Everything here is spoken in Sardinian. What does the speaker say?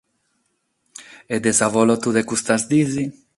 E de s’avolotu de custas dies?